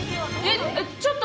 えっ？